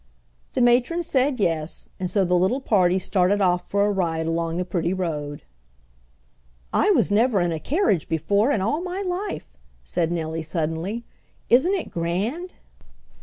The matron said yes, and so the little party started off for a ride along the pretty road. "I was never in a carriage before in all my life," said Nellie suddenly. "Isn't it grand!"